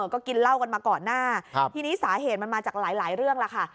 ก็กินเหล้ากันมาก่อนหน้าทีนี้สาเหตุมันมาจากหลายเรื่องล่ะค่ะ